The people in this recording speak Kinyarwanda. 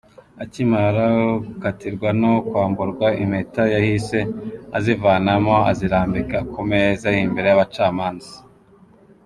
Akimara gukatirwa no kwamburwa impeta, yahise azivanamo azirambika ku meza imbere y’abacamanza.